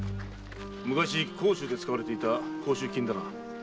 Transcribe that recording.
昔甲州で使われていた甲州金だが？